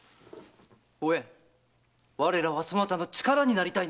おえん我らはそなたの力になりたいのだ。